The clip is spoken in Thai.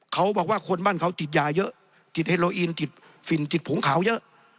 เขาบอกว่าคนบ้านเขาติดยาเยอะติดเฮโลอีนติดฝิ่นติดผงขาวเยอะ